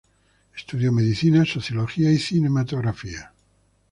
Estudió medicina, sociología y cinematografía.